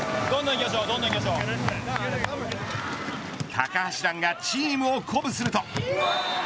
高橋藍がチームを鼓舞すると。